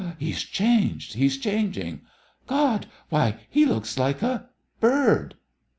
"He's changed he's changing!" "God! Why he looks like a bird!"